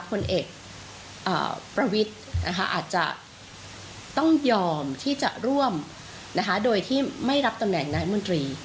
ผลเอกประวิทย์อาจจะต้องยอมที่จะร่วมโดยที่ไม่รับตำแหน่งนายมนตรี